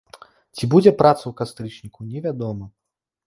Ці будзе праца ў кастрычніку, невядома.